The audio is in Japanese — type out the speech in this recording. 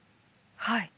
はい。